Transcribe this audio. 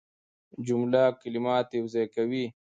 جمله کلمات یوځای کوي.